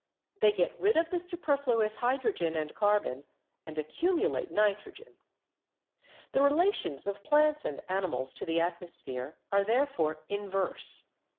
They get rid of the superfluous hydrogen and carbon and accumulate nitrogen. The relations of plants and animals to the atmosphere are therefore inverse.